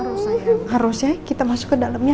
harus sayang harus ya kita masuk ke dalamnya